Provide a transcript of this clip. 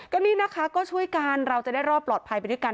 ก็นี่นะคะก็ช่วยกันเราจะได้รอดปลอดภัยไปด้วยกัน